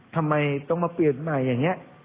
ทำไมต้องมาเปลี่ยนใหม่อย่างนี้